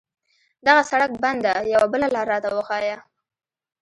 دغه سړک بند ده، یوه بله لار راته وښایه.